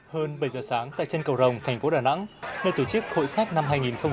hơn bảy giờ sáng tại chân cầu rồng thành phố đà nẵng nơi tổ chức hội sách năm hai nghìn một mươi chín